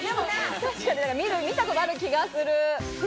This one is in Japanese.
確かに見たことある気がする。